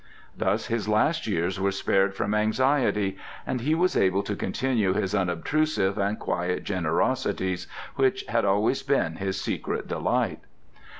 Thus his last years were spared from anxiety and he was able to continue his unobtrusive and quiet generosities which had always been his secret delight.